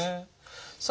さあ